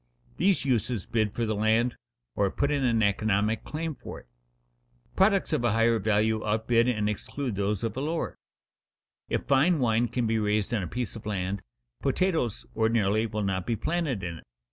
These uses bid for the land, or put in an economic claim for it. Products of a higher value outbid and exclude those of a lower. If fine wine can be raised on a piece of land, potatoes ordinarily will not be planted in it.